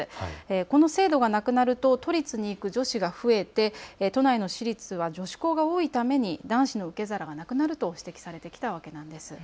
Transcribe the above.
この制度がなくなると都立に行く女子が増えて、都内の私立は女子高が多いために男子の受け皿がなくなると指摘されてきたわけなんです。